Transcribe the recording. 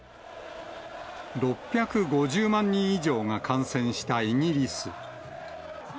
６５０万人以上が感染したイギリス。